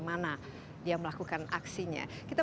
jangan lupa whchats